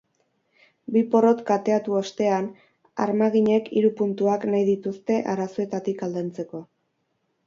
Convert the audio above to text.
Bi porrot kateatu ostean, armaginek hiru puntuak nahi dituzte arazoetatik aldentzeko.